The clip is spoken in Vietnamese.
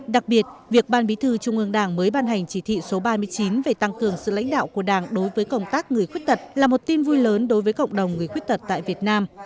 đặc biệt việc ban bí thư trung ương đảng mới ban hành chỉ thị số ba mươi chín về tăng cường sự lãnh đạo của đảng đối với công tác người khuyết tật là một tin vui lớn đối với cộng đồng người khuyết tật tại việt nam